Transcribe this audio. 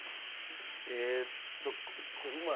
えっと馬。